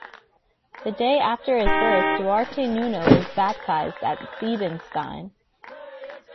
The day after his birth, Duarte Nuno was baptised at Seebenstein.